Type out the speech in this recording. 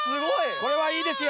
これはいいですよ。